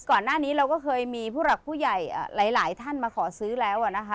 ก่อนหน้านี้เราก็เคยมีผู้หลักผู้ใหญ่หลายท่านมาขอซื้อแล้วนะคะ